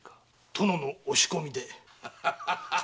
殿のお仕込みで。